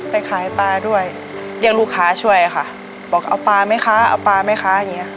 ไปขายปลาด้วยเรียกลูกค้าช่วยค่ะบอกเอาปลาไหมคะเอาปลาไหมคะอย่างเงี้